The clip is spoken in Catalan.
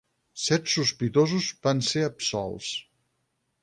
Set sospitosos van ser absolts.